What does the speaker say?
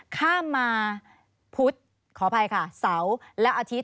ข้ามมาพุธขออภัยค่ะเสาร์และอาทิตย